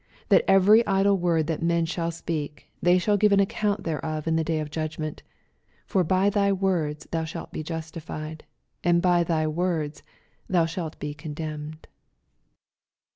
That every idle word that men shall speak, they shall give account thereof in the day of judgment. 87 For by thy words thou shalt be justified, and by thy words thou shall be condemned.